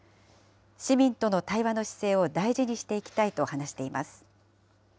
市民との対話の姿勢を大事にしていきたいと話しています。